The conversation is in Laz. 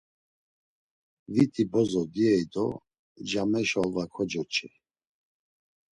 Vit bozo diyey do cameşa olva kocoç̌ey.